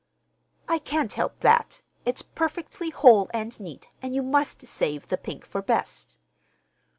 "I can't help that. It's perfectly whole and neat, and you must save the pink for best."